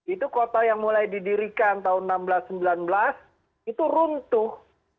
itu kota yang mulai didirikan tahun seribu enam ratus sembilan belas itu runtuh